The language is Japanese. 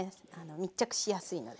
密着しやすいので。